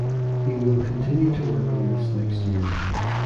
We will continue to work on this next year.